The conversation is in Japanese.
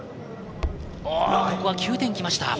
ここは９点、来ました。